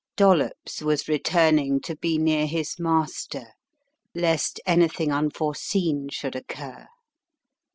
Dollops was returning to be near his master, lest anything unforeseen should occur.